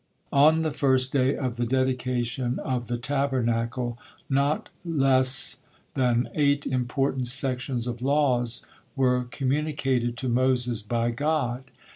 On the first day of the dedication of the Tabernacle, not lest than eight important sections of laws were communicated to Moses by God.